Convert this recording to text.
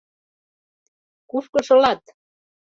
— Кушко шылат?